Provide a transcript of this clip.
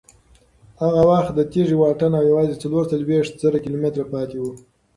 هغه وخت د تېږې واټن یوازې څلور څلوېښت زره کیلومتره پاتې و.